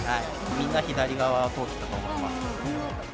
みんな左側を通ってたと思います。